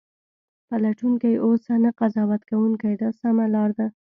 پلټونکی اوسه نه قضاوت کوونکی دا سمه لار ده.